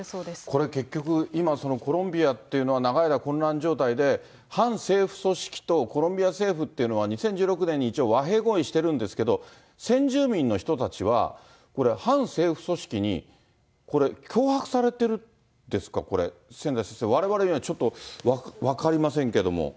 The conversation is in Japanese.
これ、結局、今、コロンビアっていうのは長い間混乱状態で、反政府組織とコロンビア政府っていうのは、２０１６年に一応和平合意してるんですけれども、先住民の人たちはこれ、反政府組織にこれ、脅迫されてるんですか、千代先生、われわれにはちょっと分かりませんけども。